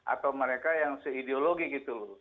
atau mereka yang se ideologi gitu loh